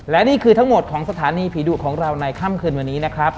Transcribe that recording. และนี่คือทั้งหมดของสถานีผีดุของเราในค่ำคืนวันนี้นะครับ